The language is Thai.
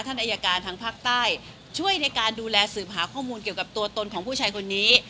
อายการทางภาคใต้ช่วยในการดูแลสืบหาข้อมูลเกี่ยวกับตัวตนของผู้ชายคนนี้